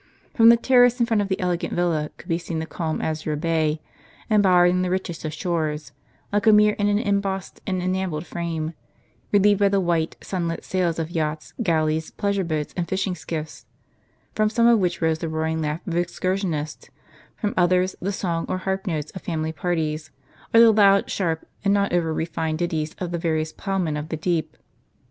From the terrace in front of the elegant villa could * Ocelli IlalicB. be seen the calm azure bay, embowered in the richest of shores, like a mirror in an embossed and enamelled frame, relieved by the white sun lit sails of yachts, galleys, pleasure boats, and fishing skiffs ; from some of which rose the roaring laugh of excursionists, from others the song or harp notes of family parties, or the loud, sharp, and not over refined ditties of the various ploughmen of the deep.